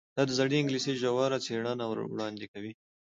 دا د زړې انګلیسي ژوره څیړنه وړاندې کوي.